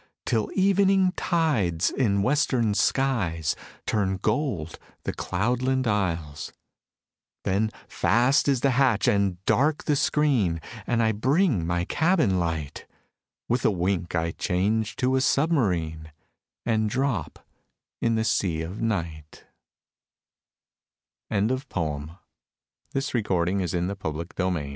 Till evening tides in western skies Turn gold the cloudland isles; Then fast is the hatch and dark the screen. And I bring my cabin light; With a wink I change to a submarine And drop in the sea of Night, WAR IN THE NORTH Not from Mars and not from Thor Co